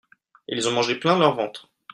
Ils ont mangé plein leur ventre.